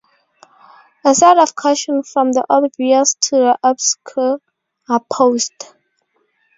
A set of questions, from the obvious to the obscure, are posed.